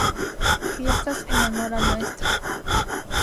Fiestas en honor a Ntra.